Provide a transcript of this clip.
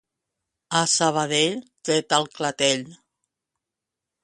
A Sabadell, tret al clatell.